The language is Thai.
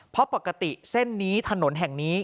เพราะปกติเส้นนี้ถนนแห่งนี้